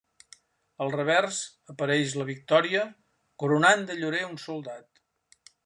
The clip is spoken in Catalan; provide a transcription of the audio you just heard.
Al revers apareix la victòria coronant de llorer a un soldat.